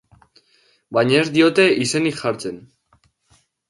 Baina ez diote izenik jartzen.